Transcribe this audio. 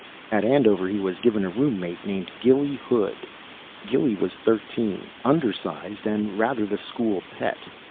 At Andover he was given a roommate named Gilly Hood. Gilly was thirteen, undersized, and rather the school pet.